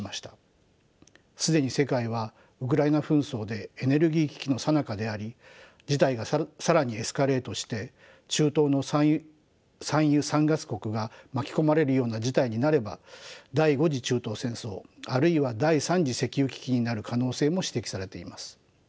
既に世界はウクライナ紛争でエネルギー危機のさなかであり事態が更にエスカレートして中東の産油産ガス国が巻き込まれるような事態になれば第５次中東戦争あるいは第３次石油危機になる可能性も指摘されています。